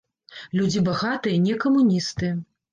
Людзі багатыя, не камуністы.